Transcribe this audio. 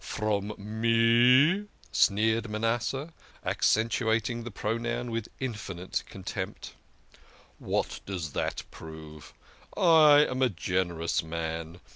" From me! " sneered Manasseh, accentuating the pro noun with infinite contempt. " What does that prove ? I am a generous man.